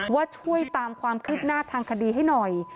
ว่าช่วยตามความคืบหน้าทางคดีให้หน่อย